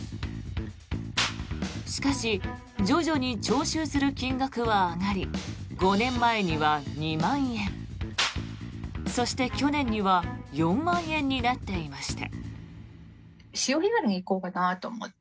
しかし徐々に徴収する金額は上がり５年前には２万円そして、去年には４万円になっていました。